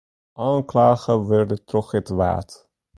Oanklage wurde troch it Waad.